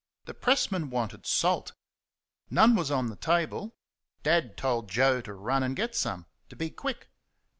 The pressman wanted salt. None was on the table. Dad told Joe to run and get some to be quick.